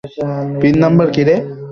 Pin number কি রে?